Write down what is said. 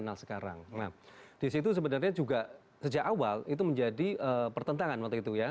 nah disitu sebenarnya juga sejak awal itu menjadi pertentangan waktu itu ya